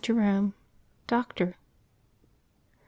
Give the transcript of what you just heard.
JEROME, Doctor. jT.